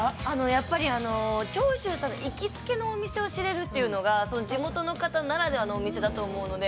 ◆やっぱり長州さんの行きつけのお店を知れるというのが地元の方ならではのお店だと思うので。